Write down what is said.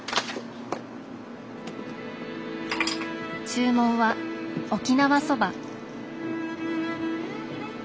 注文は沖縄そば。